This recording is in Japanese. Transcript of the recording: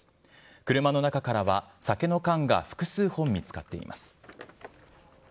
車の中からは酒の缶が複数本見つかっています。